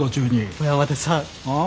小山田さん。